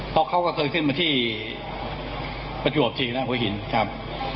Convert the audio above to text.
เพราะเขาก็เคยขึ้นมาที่ประจวบจีนนะหัวหินครับ